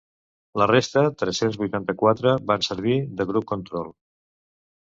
La resta, tres-cents vuitanta-quatre, van servir de grup control.